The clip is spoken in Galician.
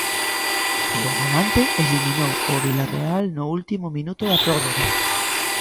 E o Levante eliminou o Vilarreal no último minuto da prórroga.